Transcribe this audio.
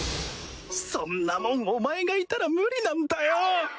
そんなもんお前がいたら無理なんだよ